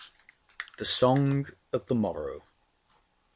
XX. THE SONG OF THE MORROW.